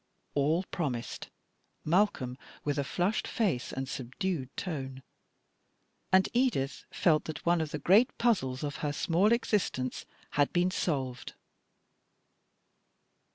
All promised, Malcolm with a flushed face and subdued tone; and Edith felt that one of the great puzzles of her small existence had been solved.